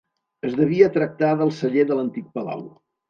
Es devia tractar del celler de l'antic palau.